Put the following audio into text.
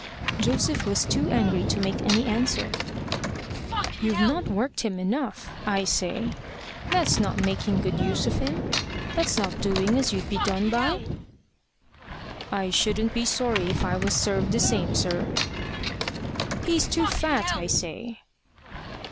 Joseph was too angry to make any answer. "You've not worked him enough, I say. That's not making good use of him. That's not doing as you'd be done by." "I shouldn't be sorry if I was served the same, sir." "He's too fat, I say."